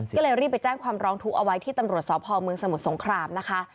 ก็เลยรีบไปแจ้งความร้องทุกข์เอาไว้ที่ตำรวจสพเมืองสมุทรสงครามนะคะ